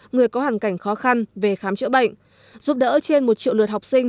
người có hoàn cảnh khó khăn về khám chữa bệnh giúp đỡ trên một triệu lượt học sinh